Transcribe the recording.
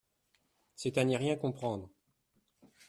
C’est à n’y rien comprendre.